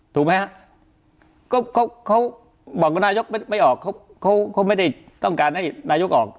ถูกไหมฮะก็เขาบอกว่านายกไม่ออกเขาเขาไม่ได้ต้องการให้นายกออก